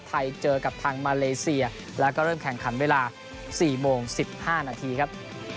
ไทยเจอกับทางมาเลเซียแล้วก็เริ่มแข่งขันเวลา๔โมง๑๕นาทีครับ